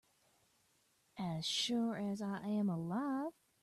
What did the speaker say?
As sure as I am alive